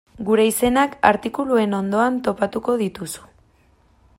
Gure izenak artikuluen ondoan topatuko dituzu.